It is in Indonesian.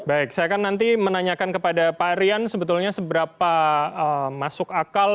baik saya akan nanti menanyakan kepada pak rian sebetulnya seberapa masuk akal